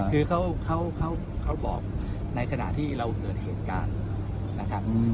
เขาบอกในขณะที่เราเกิดเหตุการณ์